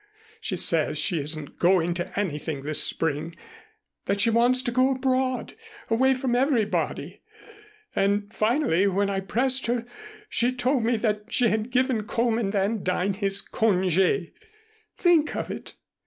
She says she isn't going to anything this spring that she wants to go abroad, away from everybody. And, finally, when I pressed her she told me that she had given Coleman Van Duyn his congé. Think of it!"